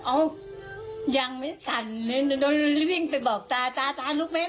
อ้าวยังไม่สั่นโดนวิ่งไปบอกตาตาตารู้ไหม